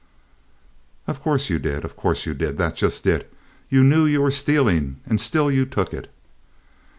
"Of course you did. Of course you did. That's just it. You knew you were stealing, and still you took it.